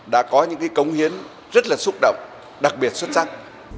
đã có những công hiến rất là xúc động đặc biệt xuất sắc